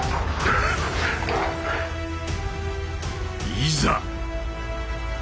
いざ。